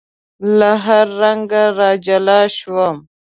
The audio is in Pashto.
له هر رنګ را جلا شوم